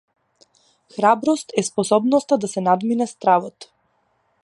Храброст е способноста да се надмине стравот.